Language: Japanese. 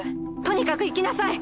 とにかく行きなさい！